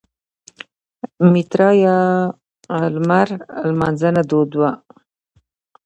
میترا یا لمر لمانځنه دود وه